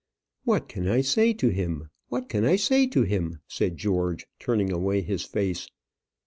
"What can I say to him? what can I say to him?" said George, turning away his face.